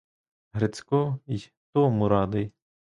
Грицько й тому радий.